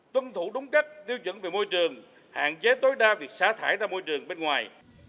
tuân thủ đúng các tiêu chuẩn về môi trường hạn chế tối đa việc xả thải ra môi trường bên ngoài